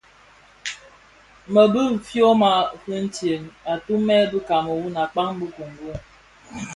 Bë bi fyoma fistem, atumèn bi Kameru a kpaň a kongo.